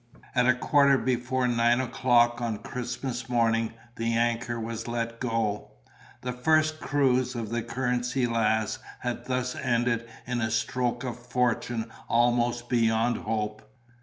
At a quarter before nine o'clock on Christmas morning the anchor was let go. The first cruise of the Currency Lass had thus ended in a stroke of fortune almost beyond hope.